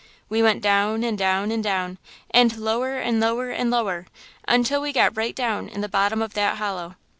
We went down and down and down, and lower and lower and lower until we got right down in the bottom of that hollow.